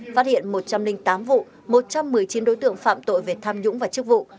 phát hiện một trăm linh tám vụ một trăm một mươi chín đối tượng phạm tội về tham nhũng và chức vụ